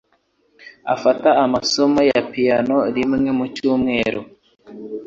Afata amasomo ya piyano rimwe mu cyumweru.